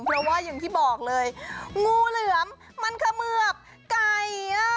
เพราะว่าอย่างที่บอกเลยงูเหลือมมันเขมือบไก่